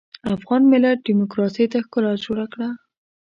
افغان ملت ډيموکراسۍ ته ښکلا جوړه کړه.